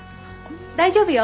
大丈夫よ。